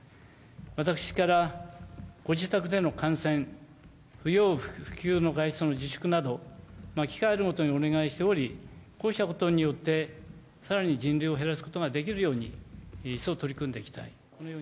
私から、ご自宅での観戦、不要不急の外出の自粛など、機会あるごとにお願いしており、こうしたことによって、さらに人流を減らすことができるように、一層取り組んでいきたい。